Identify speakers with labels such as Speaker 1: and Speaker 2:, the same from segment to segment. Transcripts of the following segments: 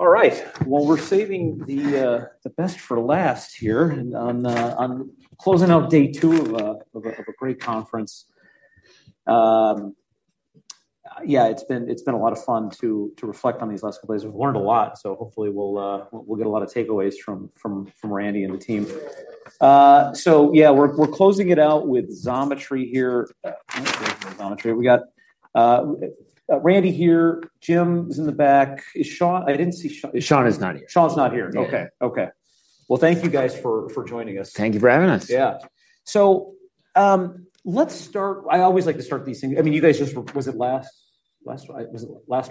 Speaker 1: All right. Well, we're saving the best for last here on closing out day two of a great conference. Yeah, it's been a lot of fun to reflect on these last couple days. We've learned a lot, so hopefully we'll get a lot of takeaways from Randy and the team. So yeah, we're closing it out with Xometry here. Xometry. We got Randy here, Jim is in the back. Is Shawn, I didn't see Shawn.
Speaker 2: Shawn is not here.
Speaker 1: Shawn's not here.
Speaker 2: Yeah.
Speaker 1: Okay, okay. Well, thank you guys for joining us.
Speaker 2: Thank you for having us.
Speaker 1: Yeah. So, let's start. I always like to start these things. I mean, you guys just, was it last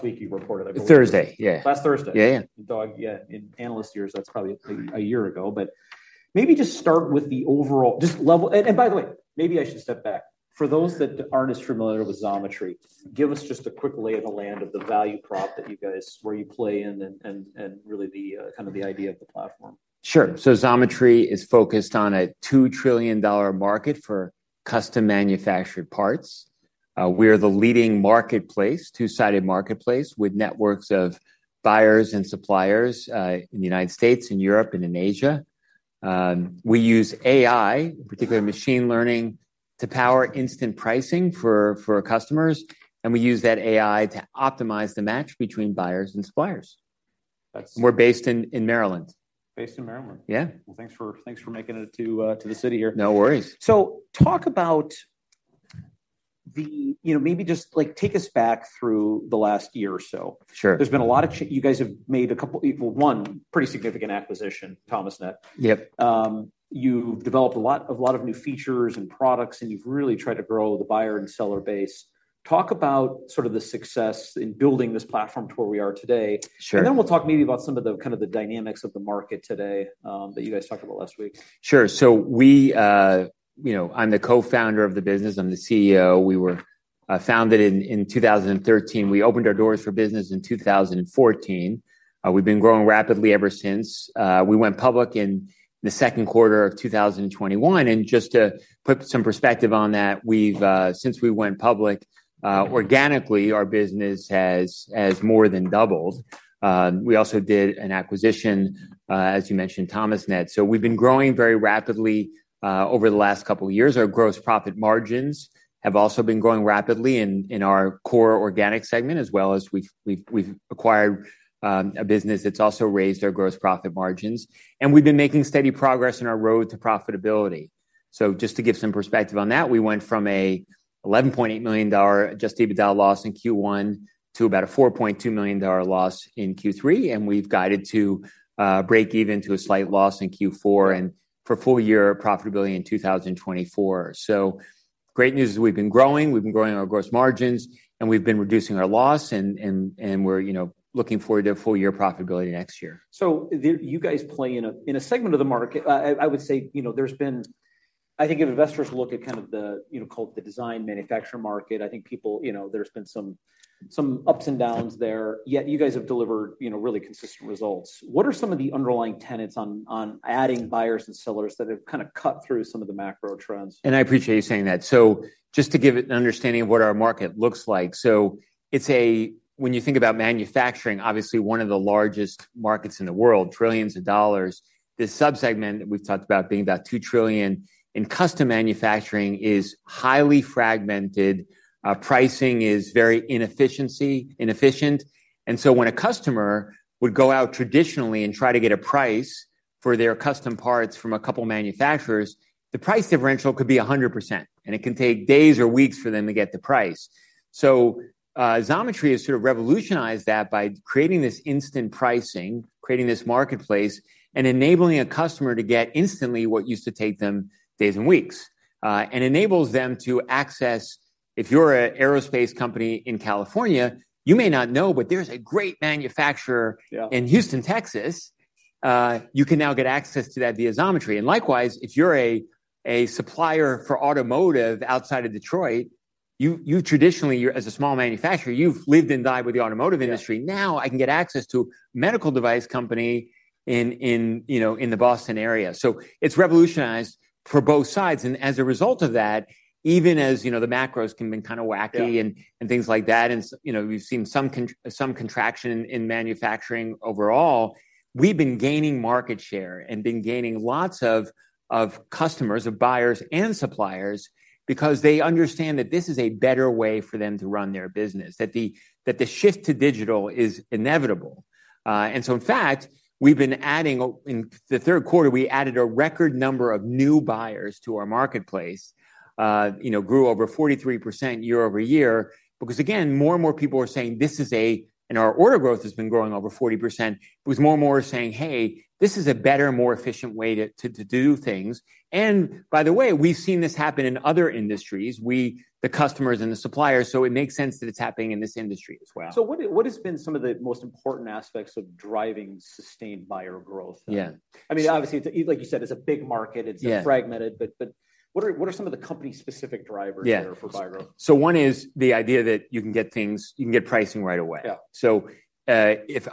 Speaker 1: week you reported?
Speaker 2: Thursday, yeah.
Speaker 1: Last Thursday?
Speaker 2: Yeah, yeah.
Speaker 1: Yeah, in analyst years, that's probably a year ago, but maybe just start with the overall, just level. By the way, maybe I should step back. For those that aren't as familiar with Xometry, give us just a quick lay of the land of the value prop that you guys, where you play in and really the kind of the idea of the platform.
Speaker 2: Sure. So Xometry is focused on a $2 trillion market for custom manufactured parts. We're the leading marketplace, two-sided marketplace, with networks of buyers and suppliers, in the United States, in Europe, and in Asia. We use AI, in particular machine learning, to power instant pricing for, for our customers, and we use that AI to optimize the match between buyers and suppliers.
Speaker 1: That's,
Speaker 2: We're based in Maryland.
Speaker 1: Based in Maryland?
Speaker 2: Yeah.
Speaker 1: Well, thanks for making it to the city here.
Speaker 2: No worries.
Speaker 1: So, talk about the, you know, maybe just, like, take us back through the last year or so.
Speaker 2: Sure.
Speaker 1: There's been a lot of. You guys have made a couple, well, one pretty significant acquisition, Thomasnet.
Speaker 2: Yep.
Speaker 1: You've developed a lot, a lot of new features and products, and you've really tried to grow the buyer and seller base. Talk about sort of the success in building this platform to where we are today.
Speaker 2: Sure.
Speaker 1: Then we'll talk maybe about some of the kind of the dynamics of the market today, that you guys talked about last week.
Speaker 2: Sure. So we, you know, I'm the co-founder of the business. I'm the CEO. We were founded in 2013. We opened our doors for business in 2014. We've been growing rapidly ever since. We went public in the second quarter of 2021, and just to put some perspective on that, we've, since we went public, organically, our business has more than doubled. We also did an acquisition, as you mentioned, Thomasnet. So we've been growing very rapidly over the last couple of years. Our gross profit margins have also been growing rapidly in our core organic segment, as well as we've acquired a business that's also raised our gross profit margins, and we've been making steady progress in our road to profitability. So just to give some perspective on that, we went from an $11.8 million adjusted EBITDA loss in Q1 to about a $4.2 million loss in Q3, and we've guided to break even to a slight loss in Q4, and for full year profitability in 2024. So great news is we've been growing, we've been growing our gross margins, and we've been reducing our loss, and we're, you know, looking forward to full year profitability next year.
Speaker 1: So you guys play in a segment of the market. I would say, you know, there's been. I think if investors look at kind of the, you know, called the design manufacturer market, I think people, you know, there's been some ups and downs there, yet you guys have delivered, you know, really consistent results. What are some of the underlying tenets on adding buyers and sellers that have kind of cut through some of the macro trends?
Speaker 2: I appreciate you saying that. So just to give it an understanding of what our market looks like. So it's a, when you think about manufacturing, obviously one of the largest markets in the world, trillions of dollars. The sub-segment that we've talked about being about $2 trillion, and custom manufacturing is highly fragmented, pricing is very inefficient. And so when a customer would go out traditionally and try to get a price for their custom parts from a couple manufacturers, the price differential could be 100%, and it can take days or weeks for them to get the price. So, Xometry has sort of revolutionized that by creating this instant pricing, creating this marketplace, and enabling a customer to get instantly what used to take them days and weeks. And enables them to access, if you're an aerospace company in California, you may not know, but there's a great manufacturer in Houston, Texas. You can now get access to that via Xometry. And likewise, if you're a supplier for automotive outside of Detroit, you traditionally, as a small manufacturer, you've lived and died with the automotive industry. Now, I can get access to a medical device company in, you know, the Boston area. So it's revolutionized for both sides, and as a result of that, even as, you know, the macros can been kind of wacky and things like that, you know, we've seen some contraction in manufacturing overall. We've been gaining market share and gaining lots of customers, buyers and suppliers, because they understand that this is a better way for them to run their business, that the shift to digital is inevitable. And so in fact, we've been adding. In the third quarter, we added a record number of new buyers to our marketplace. You know, grew over 43% year-over-year, because again, more and more people are saying this is a. Our order growth has been growing over 40%, with more and more saying, "Hey, this is a better, more efficient way to do things." By the way, we've seen this happen in other industries, we, the customers and the suppliers, so it makes sense that it's happening in this industry as well.
Speaker 1: What has been some of the most important aspects of driving sustained buyer growth?
Speaker 2: Yeah.
Speaker 1: I mean, obviously, like you said, it's a big market.
Speaker 2: Yeah
Speaker 1: It's fragmented, but what are some of the company-specific drivers?
Speaker 2: Yeah
Speaker 1: There for buyer growth?
Speaker 2: One is the idea that you can get things, you can get pricing right away.
Speaker 1: Yeah.
Speaker 2: If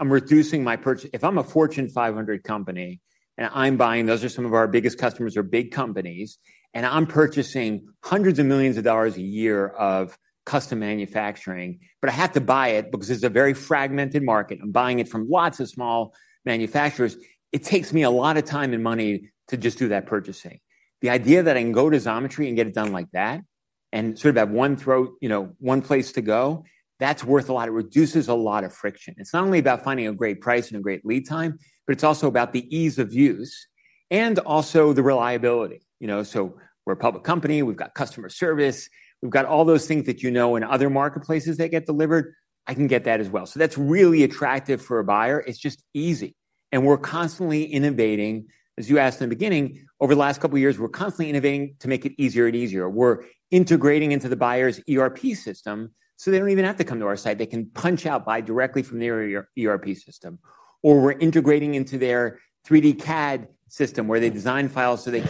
Speaker 2: I'm a Fortune 500 company, and I'm buying, those are some of our biggest customers are big companies, and I'm purchasing hundreds of millions of dollars a year of custom manufacturing, but I have to buy it because it's a very fragmented market. I'm buying it from lots of small manufacturers. It takes me a lot of time and money to just do that purchasing. The idea that I can go to Xometry and get it done like that, and sort of have one throat, you know, one place to go, that's worth a lot. It reduces a lot of friction. It's not only about finding a great price and a great lead time, but it's also about the ease of use and also the reliability. You know, so we're a public company. We've got customer service. We've got all those things that you know in other marketplaces that get delivered. I can get that as well. So that's really attractive for a buyer. It's just easy, and we're constantly innovating. As you asked in the beginning, over the last couple of years, we're constantly innovating to make it easier and easier. We're integrating into the buyer's ERP system, so they don't even have to come to our site. They can punch out, buy directly from their ERP system. Or we're integrating into their 3D CAD system, where they design files so they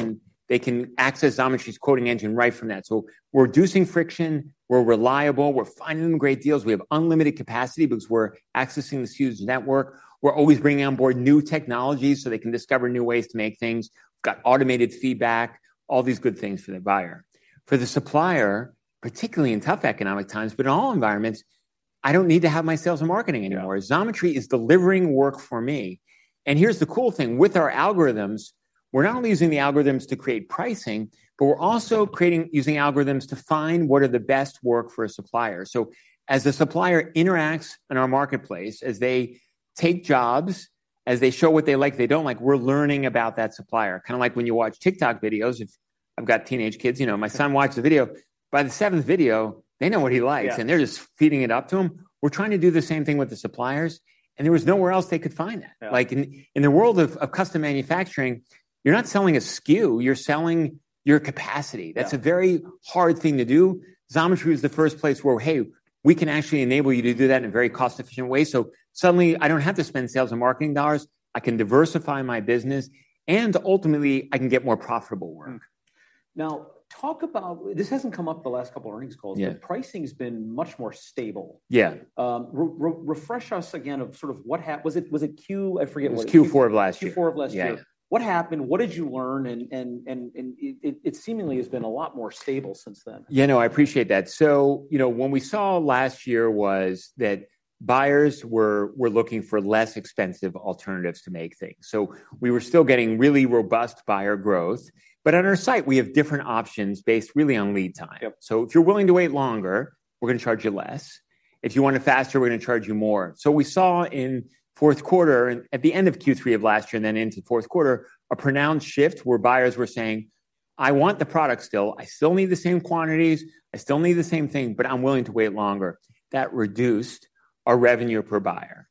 Speaker 2: can access Xometry's quoting engine right from that. So we're reducing friction. We're reliable. We're finding great deals. We have unlimited capacity because we're accessing the SKUs network. We're always bringing on board new technologies, so they can discover new ways to make things. We've got automated feedback, all these good things for the buyer. For the supplier, particularly in tough economic times, but in all environments, I don't need to have my sales and marketing anymore.
Speaker 1: Yeah.
Speaker 2: Xometry is delivering work for me. Here's the cool thing, with our algorithms, we're not only using the algorithms to create pricing, but we're also using algorithms to find what are the best work for a supplier. As the supplier interacts in our marketplace, as they take jobs, as they show what they like, they don't like, we're learning about that supplier. Kinda like when you watch TikTok videos. I've got teenage kids, you know, my son watches a video. By the seventh video, they know what he likes.
Speaker 1: Yeah.
Speaker 2: They're just feeding it up to him. We're trying to do the same thing with the suppliers, and there was nowhere else they could find that.
Speaker 1: Yeah.
Speaker 2: Like, in the world of custom manufacturing, you're not selling a SKU, you're selling your capacity.
Speaker 1: Yeah.
Speaker 2: That's a very hard thing to do. Xometry is the first place where, hey, we can actually enable you to do that in a very cost-efficient way. So suddenly, I don't have to spend sales and marketing dollars, I can diversify my business, and ultimately, I can get more profitable work.
Speaker 1: Now, talk about. This hasn't come up the last couple of earnings calls. But pricing's been much more stable.
Speaker 2: Yeah.
Speaker 1: Refresh us again of sort of what. Was it, was it Q? I forget what-
Speaker 2: It was Q4 of last year.
Speaker 1: Q4 of last year.
Speaker 2: Yeah.
Speaker 1: What happened? What did you learn? And it seemingly has been a lot more stable since then.
Speaker 2: Yeah, no, I appreciate that. So, you know, what we saw last year was that buyers were looking for less expensive alternatives to make things. So we were still getting really robust buyer growth. But on our site, we have different options based really on lead time.
Speaker 1: Yep.
Speaker 2: So if you're willing to wait longer, we're gonna charge you less. If you want it faster, we're gonna charge you more. So we saw in fourth quarter, and at the end of Q3 of last year, and then into fourth quarter, a pronounced shift where buyers were saying: "I want the product still. I still need the same quantities, I still need the same thing, but I'm willing to wait longer." That reduced our revenue per buyer.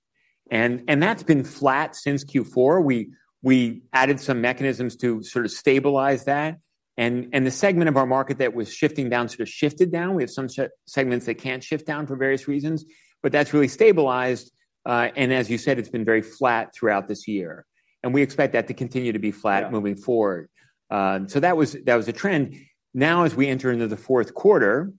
Speaker 2: And that's been flat since Q4. We added some mechanisms to sort of stabilize that, and the segment of our market that was shifting down sort of shifted down. We have some segments that can't shift down for various reasons, but that's really stabilized. And as you said, it's been very flat throughout this year, and we expect that to continue to be flat moving forward. So that was, that was a trend. Now, as we enter into the fourth quarter,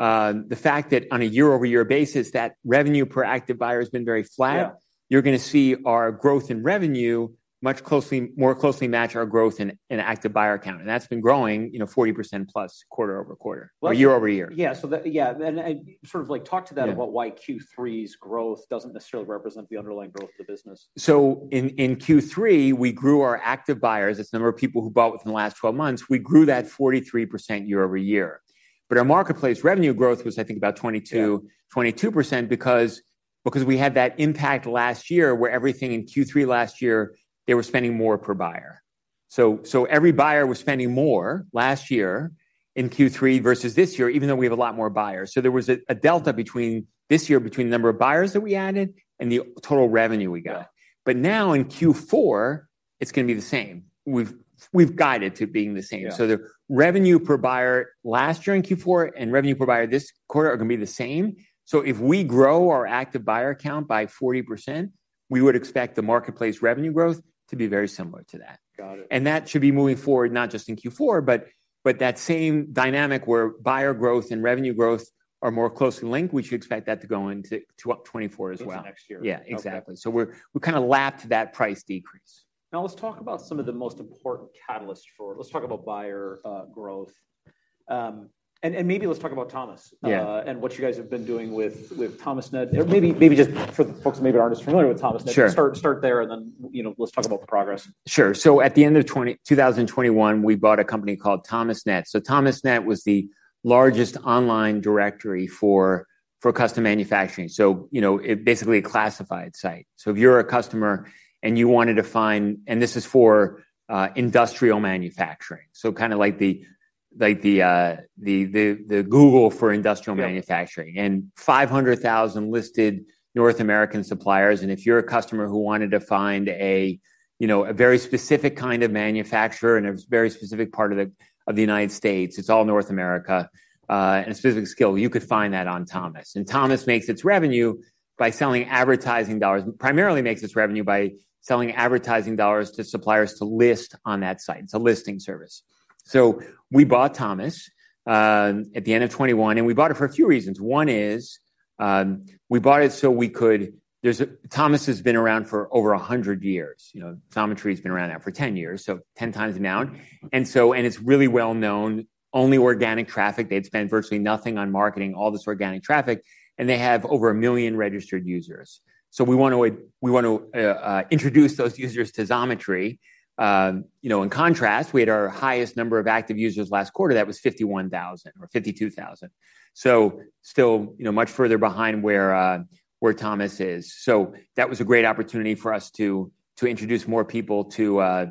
Speaker 2: the fact that on a year-over-year basis, that revenue per active buyer has been very flat you're gonna see our growth in revenue much closely, more closely match our growth in active buyer count, and that's been growing, you know, 40%+ quarter-over-quarter.
Speaker 1: Well-
Speaker 2: Or year-over-year.
Speaker 1: Yeah, so that. Yeah. And sort of like, talk to that.
Speaker 2: Yeah
Speaker 1: About why Q3's growth doesn't necessarily represent the underlying growth of the business.
Speaker 2: So in Q3, we grew our active buyers. It's the number of people who bought within the last twelve months. We grew that 43% year-over-year. But our marketplace revenue growth was, I think, about 22% because, because we had that impact last year, where everything in Q3 last year, they were spending more per buyer. So, so every buyer was spending more last year in Q3 versus this year, even though we have a lot more buyers. So there was a, a delta between this year, between the number of buyers that we added and the total revenue we got.
Speaker 1: Yeah.
Speaker 2: But now in Q4, it's gonna be the same. We've guided to being the same.
Speaker 1: Yeah.
Speaker 2: The revenue per buyer last year in Q4 and revenue per buyer this quarter are gonna be the same. If we grow our active buyer count by 40%, we would expect the marketplace revenue growth to be very similar to that.
Speaker 1: Got it.
Speaker 2: That should be moving forward, not just in Q4, but that same dynamic where buyer growth and revenue growth are more closely linked. We should expect that to go into 2024 as well.
Speaker 1: Into next year.
Speaker 2: Yeah, exactly.
Speaker 1: Okay.
Speaker 2: So we kinda lapped that price decrease.
Speaker 1: Now, let's talk about some of the most important catalysts for... Let's talk about buyer growth. And maybe let's talk about Thomasnet and what you guys have been doing with Thomasnet.
Speaker 2: Sure.
Speaker 1: Or maybe, maybe just for the folks who maybe aren't as familiar with Thomasnet start there, and then, you know, let's talk about the progress.
Speaker 2: Sure. So at the end of 2021, we bought a company called Thomasnet. So Thomasnet was the largest online directory for custom manufacturing, so you know, it basically a classified site. So if you're a customer and you wanted to find... And this is for industrial manufacturing, so kinda like the Google for industrial manufacturing.
Speaker 1: Yeah.
Speaker 2: 500,000 listed North American suppliers, and if you're a customer who wanted to find a, you know, a very specific kind of manufacturer in a very specific part of the, of the United States, it's all North America, and a specific skill, you could find that on Thomasnet. Thomasnet makes its revenue by selling advertising dollars, primarily makes its revenue by selling advertising dollars to suppliers to list on that site. It's a listing service. We bought Thomasnet at the end of 2021, and we bought it for a few reasons. We bought it so we could. There's a, Thomasnet has been around for over 100 years. You know, Xometry's been around now for 10 years, so 10 times the amount. And so, and it's really well known. Only organic traffic, they'd spent virtually nothing on marketing, all this organic traffic, and they have over 1 million registered users. So we want to, we want to, introduce those users to Xometry. You know, in contrast, we had our highest number of active users last quarter, that was 51,000 or 52,000. So still, you know, much further behind where, where Thomas is. So that was a great opportunity for us to, to introduce more people to,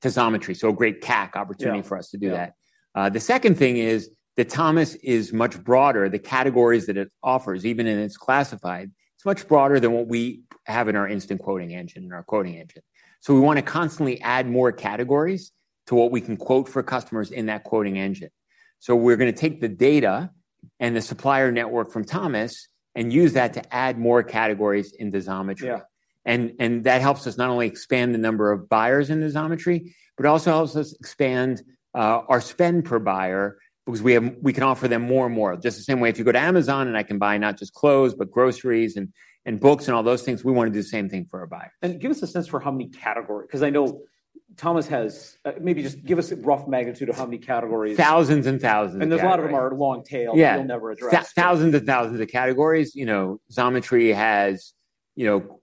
Speaker 2: to Xometry. So a great CAC opportunity for us to do that.
Speaker 1: Yeah.
Speaker 2: The second thing is that Thomas is much broader. The categories that it offers, even in its classified, it's much broader than what we have in our instant quoting engine, in our quoting engine. So we wanna constantly add more categories to what we can quote for customers in that quoting engine. So we're gonna take the data and the supplier network from Thomas and use that to add more categories into Xometry.
Speaker 1: Yeah.
Speaker 2: And that helps us not only expand the number of buyers into Xometry, but also helps us expand our spend per buyer because we can offer them more and more. Just the same way, if you go to Amazon, and I can buy not just clothes, but groceries, and books, and all those things, we wanna do the same thing for our buyers.
Speaker 1: Give us a sense for how many categories, 'cause I know Thomas has... Maybe just give us a rough magnitude of how many categories.
Speaker 2: Thousands and thousands of categories.
Speaker 1: There's a lot of them are long tail.
Speaker 2: Yeah.
Speaker 1: You'll never address.
Speaker 2: Thousands and thousands of categories. You know, Xometry has, you know,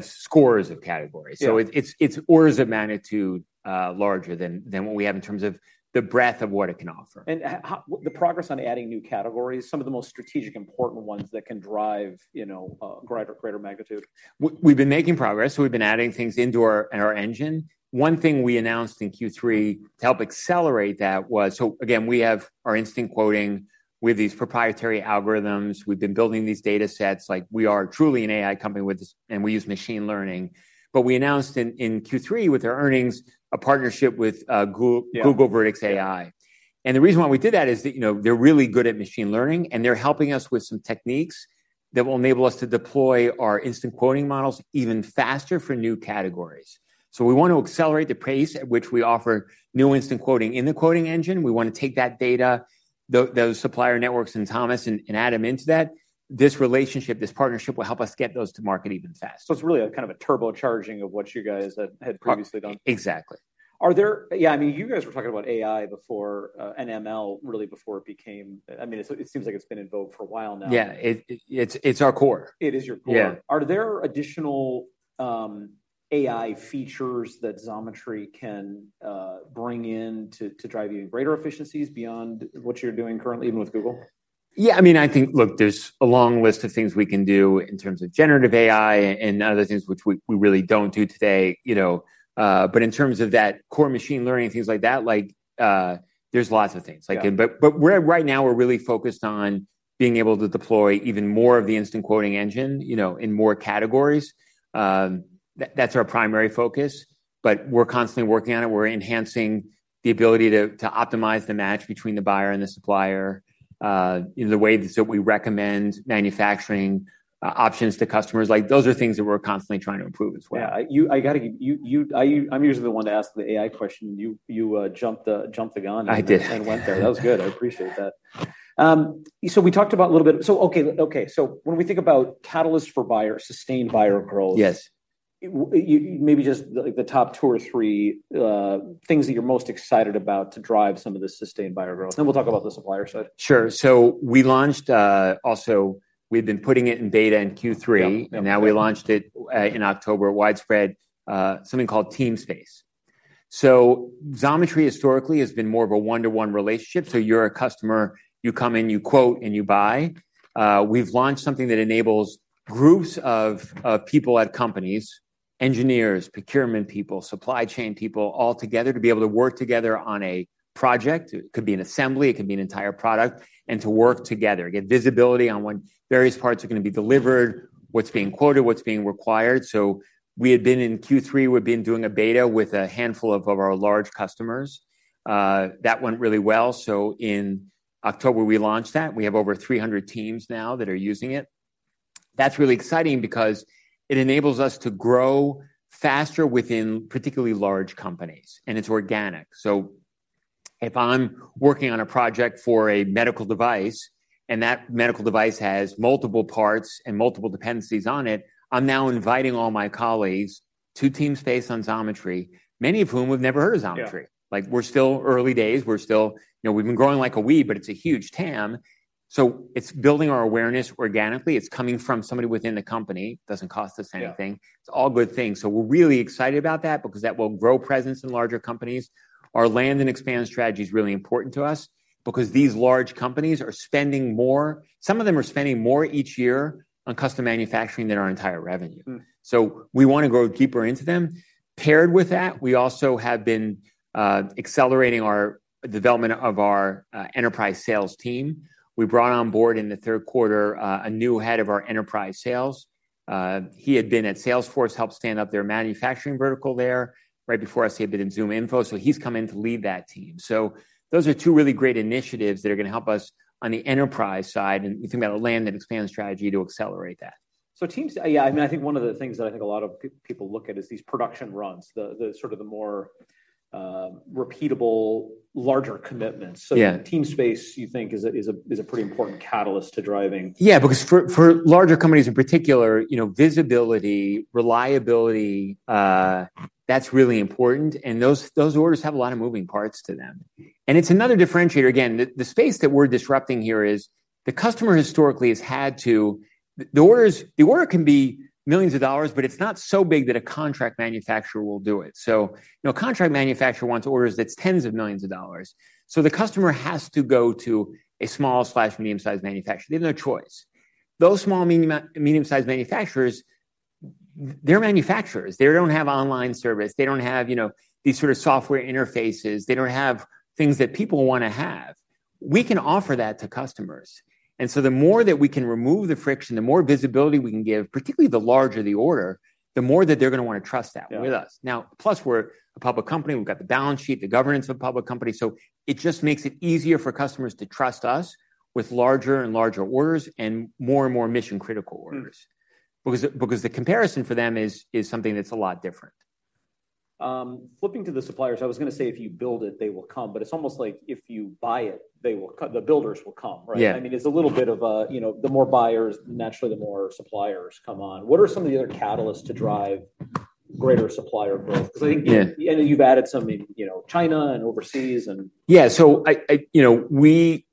Speaker 2: scores of categories.
Speaker 1: Yeah.
Speaker 2: So it's orders of magnitude larger than what we have in terms of the breadth of what it can offer.
Speaker 1: And how the progress on adding new categories, some of the most strategic, important ones that can drive, you know, greater, greater magnitude.
Speaker 2: We've been making progress, so we've been adding things into our engine. One thing we announced in Q3 to help accelerate that was. So again, we have our Instant Quoting with these proprietary algorithms. We've been building these data sets, like we are truly an AI company with this, and we use Machine Learning. But we announced in Q3 with our earnings, a partnership with Google.
Speaker 1: Yeah.
Speaker 2: Google Vertex AI. And the reason why we did that is that, you know, they're really good at machine learning, and they're helping us with some techniques that will enable us to deploy our instant quoting models even faster for new categories. So we want to accelerate the pace at which we offer new instant quoting in the quoting engine. We want to take that data, those supplier networks in Thomasnet, and add them into that. This relationship, this partnership, will help us get those to market even faster.
Speaker 1: It's really a kind of a turbocharging of what you guys had previously done.
Speaker 2: Exactly.
Speaker 1: Yeah, I mean, you guys were talking about AI before, and ML, really before it became. I mean, it seems like it's been in vogue for a while now.
Speaker 2: Yeah, it’s our core.
Speaker 1: It is your core.
Speaker 2: Yeah.
Speaker 1: Are there additional AI features that Xometry can bring in to drive even greater efficiencies beyond what you're doing currently, even with Google?
Speaker 2: Yeah, I mean, I think. Look, there's a long list of things we can do in terms of Generative AI and other things which we, we really don't do today, you know. But in terms of that core Machine Learning, things like that, like, there's lots of things, like.
Speaker 1: Yeah.
Speaker 2: But right now, we're really focused on being able to deploy even more of the instant quoting engine, you know, in more categories. That's our primary focus, but we're constantly working on it. We're enhancing the ability to optimize the match between the buyer and the supplier in the way that we recommend manufacturing options to customers. Like, those are things that we're constantly trying to improve as well.
Speaker 1: Yeah, I'm usually the one to ask the AI question. You jumped the gun.
Speaker 2: I did
Speaker 1: Went there. That was good. I appreciate that. So, okay, okay, so when we think about catalysts for buyer, sustained buyer growth. You, maybe just, like, the top two or three things that you're most excited about to drive some of the sustained buyer growth. Then we'll talk about the supplier side.
Speaker 2: Sure. So we launched, also, we've been putting it in beta in Q3 and now we launched it in October, widespread, something called Teamspace. So Xometry historically has been more of a one-to-one relationship. So you're a customer, you come in, you quote, and you buy. We've launched something that enables groups of people at companies, engineers, procurement people, supply chain people, all together, to be able to work together on a project. It could be an assembly, it could be an entire product, and to work together, get visibility on when various parts are gonna be delivered, what's being quoted, what's being required. So we had been, in Q3, we've been doing a beta with a handful of our large customers. That went really well. So in October, we launched that. We have over 300 teams now that are using it. That's really exciting because it enables us to grow faster within particularly large companies, and it's organic. So if I'm working on a project for a medical device, and that medical device has multiple parts and multiple dependencies on it, I'm now inviting all my colleagues to Team Space on Xometry, many of whom have never heard of Xometry.
Speaker 1: Yeah.
Speaker 2: Like, we're still early days. We're still. You know, we've been growing like a weed, but it's a huge TAM. So it's building our awareness organically. It's coming from somebody within the company, doesn't cost us anything.
Speaker 1: Yeah.
Speaker 2: It's all good things. We're really excited about that because that will grow presence in larger companies. Our land and expand strategy is really important to us because these large companies are spending more, some of them are spending more each year on custom manufacturing than our entire revenue. So we wanna grow deeper into them. Paired with that, we also have been accelerating our development of our enterprise sales team. We brought on board, in the third quarter, a new head of our enterprise sales. He had been at Salesforce, helped stand up their manufacturing vertical there. Right before us, he had been in ZoomInfo, so he's come in to lead that team. So those are two really great initiatives that are gonna help us on the enterprise side, and we think about a land and expand strategy to accelerate that.
Speaker 1: So teams, yeah, I mean, I think one of the things that I think a lot of people look at is these production runs, the sort of the more repeatable, larger commitments.
Speaker 2: Yeah.
Speaker 1: So Teamspace, you think, is a pretty important catalyst to driving?
Speaker 2: Yeah, because for larger companies in particular, you know, visibility, reliability, that's really important, and those, those orders have a lot of moving parts to them. And it's another differentiator. Again, the space that we're disrupting here is the customer historically has had to, the orders, the order can be millions of dollars, but it's not so big that a contract manufacturer will do it. So, you know, a contract manufacturer wants orders that's tens of million dollars. So the customer has to go to a small/medium-sized manufacturer. They have no choice. Those small, medium-sized manufacturers, they're manufacturers. They don't have online service. They don't have, you know, these sort of software interfaces. They don't have things that people wanna have. We can offer that to customers. And so the more that we can remove the friction, the more visibility we can give, particularly the larger the order, the more that they're gonna wanna trust that with us.
Speaker 1: Yeah.
Speaker 2: Now, plus, we're a public company. We've got the balance sheet, the governance of a public company. So it just makes it easier for customers to trust us with larger and larger orders and more and more mission-critical orders. Because the comparison for them is something that's a lot different.
Speaker 1: Flipping to the suppliers, I was gonna say, if you build it, they will come. But it's almost like if you buy it, they will come, the builders will come, right?
Speaker 2: Yeah.
Speaker 1: I mean, it's a little bit of a, you know, the more buyers, naturally, the more suppliers come on. What are some of the other catalysts to drive greater supplier growth?
Speaker 2: Yeah.
Speaker 1: Because I think, I know you've added some in, you know, China and overseas, and.
Speaker 2: Yeah. So, you know, we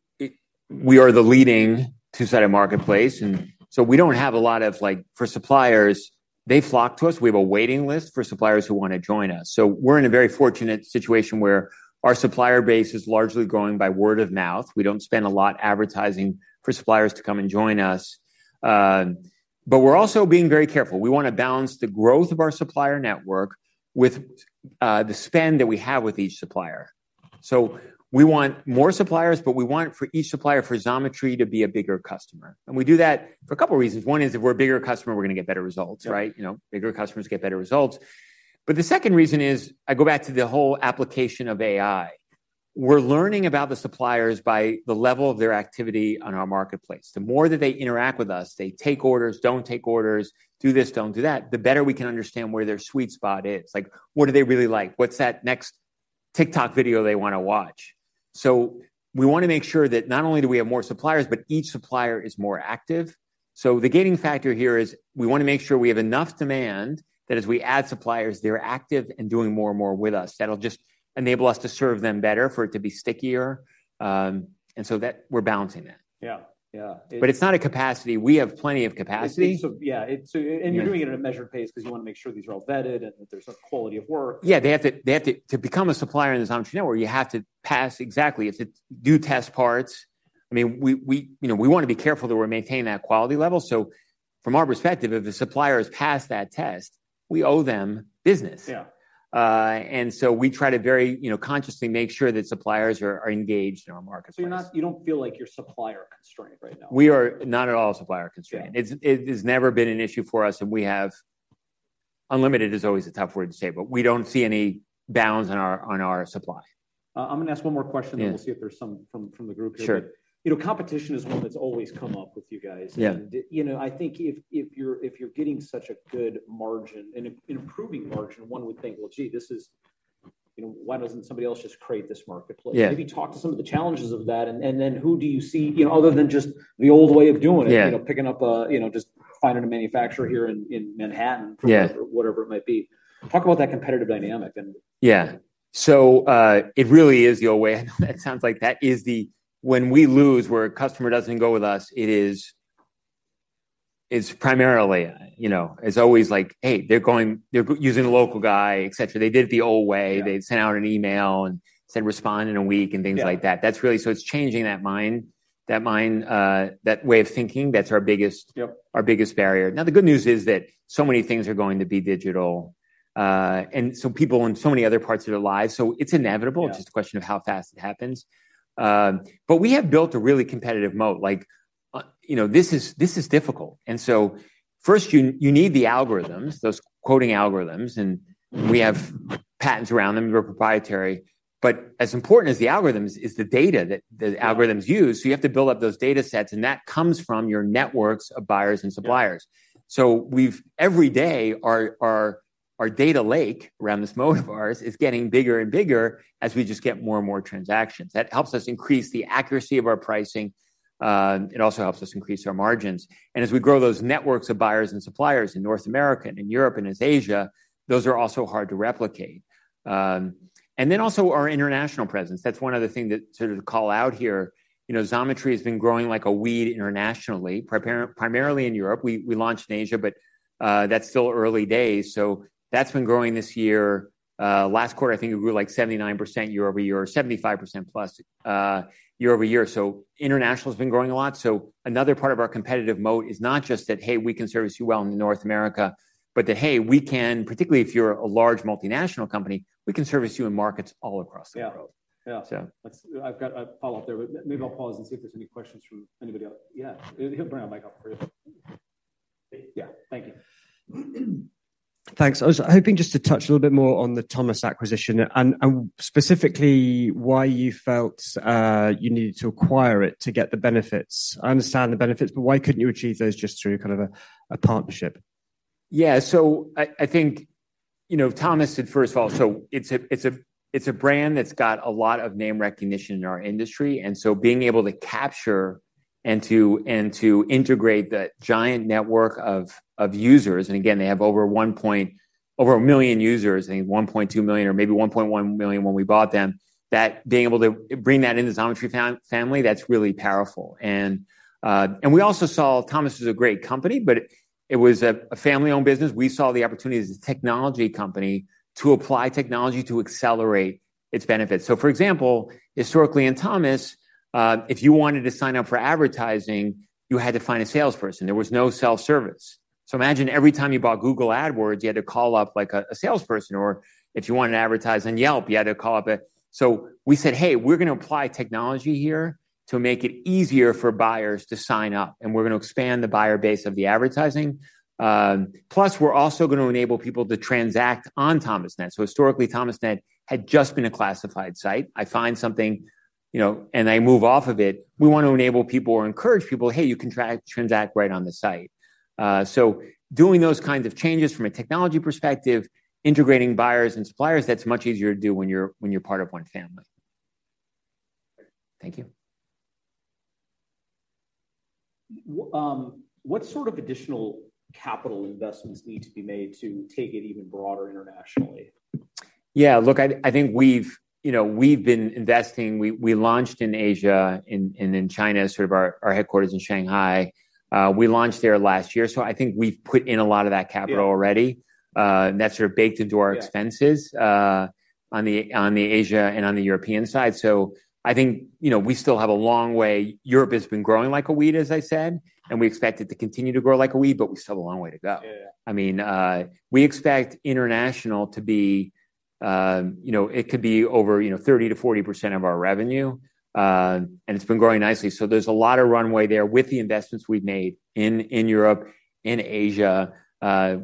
Speaker 2: are the leading two-sided marketplace, and so we don't have a lot of, like, for suppliers, they flock to us. We have a waiting list for suppliers who wanna join us. So we're in a very fortunate situation where our supplier base is largely growing by word of mouth. We don't spend a lot advertising for suppliers to come and join us. But we're also being very careful. We wanna balance the growth of our supplier network with the spend that we have with each supplier. So we want more suppliers, but we want for each supplier, for Xometry to be a bigger customer, and we do that for a couple reasons. One is, if we're a bigger customer, we're gonna get better results, right?
Speaker 1: Yeah.
Speaker 2: You know, bigger customers get better results. But the second reason is, I go back to the whole application of AI. We're learning about the suppliers by the level of their activity on our marketplace. The more that they interact with us, they take orders, don't take orders, do this, don't do that, the better we can understand where their sweet spot is. Like, what do they really like? What's that next TikTok video they wanna watch? So we wanna make sure that not only do we have more suppliers, but each supplier is more active. So the gaining factor here is, we wanna make sure we have enough demand that as we add suppliers, they're active and doing more and more with us. That'll just enable us to serve them better, for it to be stickier. And so that, we're balancing that.
Speaker 1: Yeah. Yeah,
Speaker 2: It's not a capacity. We have plenty of capacity.
Speaker 1: Yeah, so.
Speaker 2: Yeah.
Speaker 1: You're doing it at a measured pace because you wanna make sure these are all vetted and that there's a quality of work.
Speaker 2: Yeah, they have to. To become a supplier in the Xometry network, you have to pass. Exactly, you have to do test parts. I mean, we, you know, we wanna be careful that we're maintaining that quality level. So from our perspective, if the suppliers pass that test, we owe them business.
Speaker 1: Yeah.
Speaker 2: And so we try to very, you know, consciously make sure that suppliers are engaged in our marketplace.
Speaker 1: So you don't feel like you're supplier-constrained right now?
Speaker 2: We are not at all supplier-constrained.
Speaker 1: Yeah.
Speaker 2: It has never been an issue for us, and we have unlimited, is always a tough word to say, but we don't see any bounds on our, on our supply.
Speaker 1: I'm gonna ask one more question.
Speaker 2: Yeah
Speaker 1: Then we'll see if there's some from the group here.
Speaker 2: Sure.
Speaker 1: You know, competition is one that's always come up with you guys.
Speaker 2: Yeah.
Speaker 1: You know, I think if you're getting such a good margin and improving margin, one would think, "Well, gee, this is, you know, why doesn't somebody else just create this marketplace?
Speaker 2: Yeah.
Speaker 1: Maybe talk to some of the challenges of that, and then who do you see, you know, other than just the old way of doing it?
Speaker 2: Yeah
Speaker 1: You know, picking up a, you know, just finding a manufacturer here in Manhattan for whatever it might be. Talk about that competitive dynamic and-
Speaker 2: Yeah. So, it really is the old way. I know that sounds like that is the. When we lose, where a customer doesn't go with us, it is, it's primarily, you know, it's always like: Hey, they're going, they're using a local guy, et cetera. They did it the old way.
Speaker 1: Yeah.
Speaker 2: They sent out an email and said, "Respond in a week," and things like that.
Speaker 1: Yeah.
Speaker 2: That's really. So it's changing that mind, that way of thinking, that's our biggest our biggest barrier. Now, the good news is that so many things are going to be digital, and so people in so many other parts of their lives, so it's inevitable.
Speaker 1: Yeah.
Speaker 2: It's just a question of how fast it happens. But we have built a really competitive moat. Like, you know, this is difficult. And so first, you need the algorithms, those quoting algorithms, and we have patents around them. We're proprietary. But as important as the algorithms is the data that the algorithms use.
Speaker 1: Yeah.
Speaker 2: You have to build up those data sets, and that comes from your networks of buyers and suppliers.
Speaker 1: Yeah.
Speaker 2: So we've every day, our data lake around this moat of ours is getting bigger and bigger as we just get more and more transactions. That helps us increase the accuracy of our pricing. It also helps us increase our margins. And as we grow those networks of buyers and suppliers in North America and Europe and as Asia, those are also hard to replicate. And then also our international presence, that's one other thing that sort of call out here. You know, Xometry has been growing like a weed internationally, primarily in Europe. We launched in Asia, but that's still early days, so that's been growing this year. Last quarter, I think it grew, like, 79% year-over-year, or +75% year-over-year. So international has been growing a lot. So another part of our competitive moat is not just that, "Hey, we can service you well in North America," but that, "Hey, we can." Particularly if you're a large multinational company, "We can service you in markets all across the world.
Speaker 1: Yeah. Yeah.
Speaker 2: So-
Speaker 1: I've got a follow-up there, but maybe I'll pause and see if there's any questions from anybody else. Yeah, he'll bring my mic up first. Yeah, thank you. Thanks. I was hoping just to touch a little bit more on the Thomas acquisition and, and specifically why you felt, you needed to acquire it to get the benefits. I understand the benefits, but why couldn't you achieve those just through kind of a partnership?
Speaker 2: Yeah. So I think, you know, Thomas, first of all, so it's a brand that's got a lot of name recognition in our industry, and so being able to capture and to integrate that giant network of users, and again, they have over a million users, I think 1.2 million or maybe 1.1 million when we bought them, that being able to bring that into Xometry family, that's really powerful. And we also saw Thomas as a great company, but it was a family-owned business. We saw the opportunity as a technology company to apply technology to accelerate its benefits. So for example, historically in Thomas, if you wanted to sign up for advertising, you had to find a salesperson. There was no self-service. So imagine every time you bought Google AdWords, you had to call up, like, a salesperson, or if you wanted to advertise on Yelp, you had to call up a. So we said, "Hey, we're going to apply technology here to make it easier for buyers to sign up, and we're going to expand the buyer base of the advertising. Plus, we're also going to enable people to transact on Thomasnet." So historically, Thomasnet had just been a classified site. I find something, you know, and I move off of it. We want to enable people or encourage people, "Hey, you can transact right on the site." So doing those kinds of changes from a technology perspective, integrating buyers and suppliers, that's much easier to do when you're part of one family. Thank you.
Speaker 1: What sort of additional capital investments need to be made to take it even broader internationally?
Speaker 2: Yeah, look, I think we've, you know, we've been investing. We launched in Asia, and in China, sort of our headquarters in Shanghai. We launched there last year, so I think we've put in a lot of that capital already.
Speaker 1: Yeah.
Speaker 2: And that's sort of baked into our expenses.
Speaker 1: Yeah
Speaker 2: On the Asia and on the European side. So I think, you know, we still have a long way. Europe has been growing like a weed, as I said, and we expect it to continue to grow like a weed, but we still have a long way to go.
Speaker 1: Yeah.
Speaker 2: I mean, we expect international to be, you know, it could be over, you know, 30%-40% of our revenue, and it's been growing nicely. So there's a lot of runway there with the investments we've made in Europe, in Asia.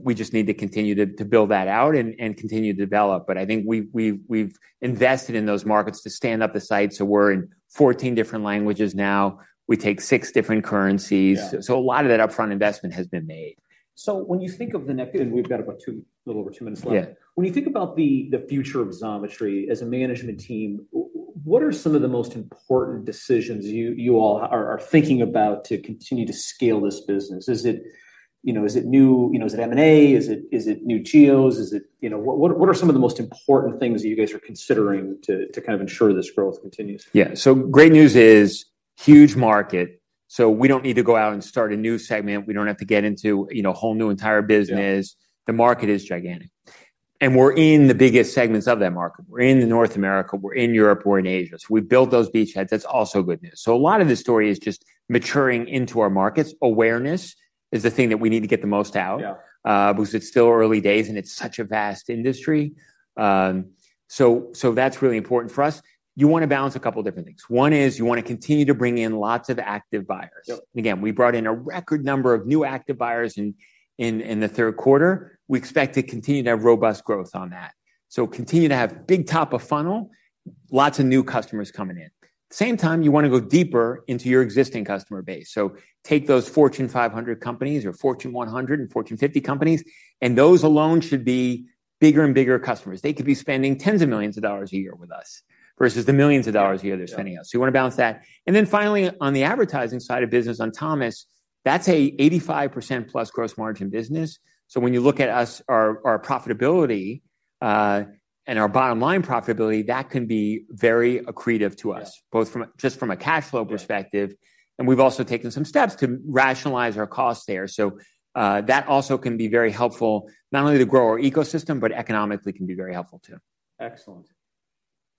Speaker 2: We just need to continue to build that out and continue to develop. But I think we've invested in those markets to stand up the site. So we're in 14 different languages now. We take six different currencies.
Speaker 1: Yeah.
Speaker 2: A lot of that upfront investment has been made.
Speaker 1: So when you think of the next. And we've got about two, little over two minutes left.
Speaker 2: Yeah.
Speaker 1: When you think about the future of Xometry as a management team, what are some of the most important decisions you all are thinking about to continue to scale this business? Is it, you know, is it M&A? Is it new geos? You know, what are some of the most important things that you guys are considering to kind of ensure this growth continues?
Speaker 2: Yeah. So great news is, huge market, so we don't need to go out and start a new segment. We don't have to get into, you know, a whole new entire business.
Speaker 1: Yeah.
Speaker 2: The market is gigantic, and we're in the biggest segments of that market. We're in North America, we're in Europe, we're in Asia. So we've built those beachheads. That's also good news. So a lot of the story is just maturing into our markets. Awareness is the thing that we need to get the most out.
Speaker 1: Yeah
Speaker 2: Because it's still early days, and it's such a vast industry. So that's really important for us. You want to balance a couple different things. One is you want to continue to bring in lots of active buyers.
Speaker 1: Yep.
Speaker 2: Again, we brought in a record number of new active buyers in the third quarter. We expect to continue to have robust growth on that. So continue to have big top of funnel, lots of new customers coming in. Same time, you want to go deeper into your existing customer base. So take those Fortune 500 companies or Fortune 100 and Fortune 50 companies, and those alone should be bigger and bigger customers. They could be spending tens of millions of dollars a year with us versus the millions of dollars a year they're spending us.
Speaker 1: Yeah.
Speaker 2: So you want to balance that. And then finally, on the advertising side of business, on Thomasnet, that's an +85% gross margin business. So when you look at us, our profitability, and our bottom-line profitability, that can be very accretive to us.
Speaker 1: Yeah
Speaker 2: Both from a, just from a cash flow perspective.
Speaker 1: Yeah.
Speaker 2: And we've also taken some steps to rationalize our costs there. So, that also can be very helpful, not only to grow our ecosystem, but economically can be very helpful, too.
Speaker 1: Excellent.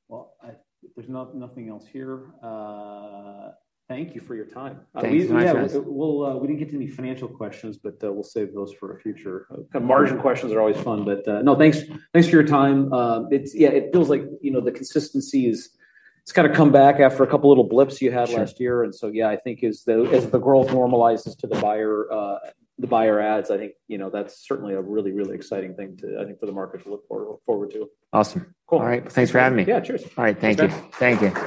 Speaker 1: Well, there's nothing else here. Thank you for your time.
Speaker 2: Thanks. Yeah.
Speaker 1: We didn't get to any financial questions, but we'll save those for a future. The margin questions are always fun, but no, thanks, thanks for your time. It's, yeah, it feels like, you know, the consistency is, it's kinda come back after a couple little blips you had last year.
Speaker 2: Sure.
Speaker 1: Yeah, I think as the growth normalizes to the buyer adds, I think, you know, that's certainly a really, really exciting thing to, I think for the market to look forward to.
Speaker 2: Awesome.
Speaker 1: Cool.
Speaker 2: All right. Thanks for having me.
Speaker 1: Yeah, cheers.
Speaker 2: All right. Thank you.
Speaker 1: Thanks.
Speaker 2: Thank you.